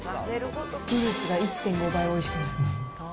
フルーツが１．５倍おいしくなる。